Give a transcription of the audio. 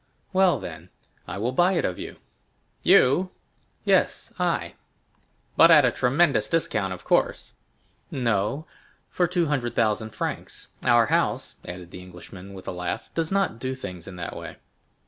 "Well, then, I will buy it of you!" "You?" "Yes, I!" "But at a tremendous discount, of course?" "No, for two hundred thousand francs. Our house," added the Englishman with a laugh, "does not do things in that way."